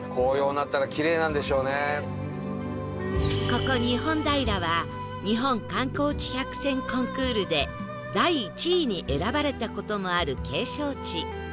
ここ日本平は日本観光地百選コンクールで第１位に選ばれた事もある景勝地